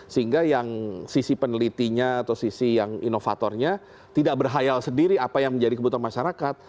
sehingga yang sisi penelitinya atau sisi yang inovatornya tidak berhayal sendiri apa yang menjadi kebutuhan masyarakat